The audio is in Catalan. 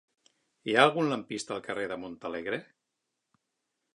Hi ha algun lampista al carrer de Montalegre?